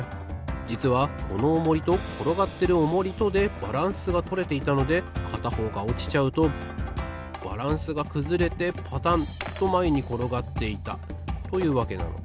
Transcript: じつはこのオモリところがってるオモリとでバランスがとれていたのでかたほうがおちちゃうとバランスがくずれてパタンとまえにころがっていたというわけなのです。